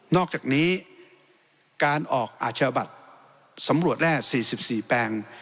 อกจากนี้การออกอาชญาบัตรสำรวจแร่๔๔แปลง